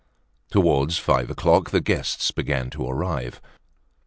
Towards five o'clock the guests began to arrive.